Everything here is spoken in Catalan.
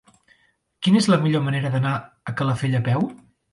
Quina és la millor manera d'anar a Calafell a peu?